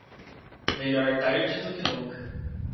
Melhor tarde do que nunca.